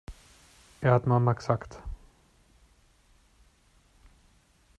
Er hat Mama gesagt!